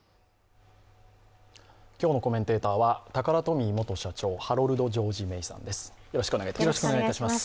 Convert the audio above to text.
今日のコメンテーターはタカラトミー元社長のハロルド・ジョージ・メイさんです。